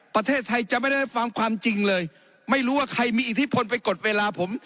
ประเทศไทยจะไม่ได้รับฟังความจริงเลยไม่รู้ว่าใครมีอิทธิพลไปกดเวลาผม